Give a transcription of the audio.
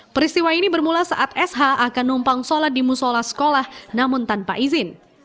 peristiwa ini bermula saat sh akan numpang sholat di musola sekolah namun tanpa izin